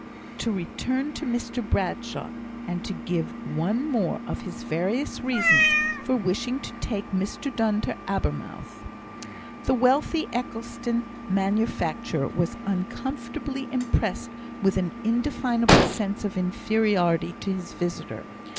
To return to Mr Bradshaw, and to give one more of his various reasons for wishing to take Mr Donne to Abermouth. The wealthy Eccleston manufacturer was uncomfortably impressed with an indefinable sense of inferiority to his visitor.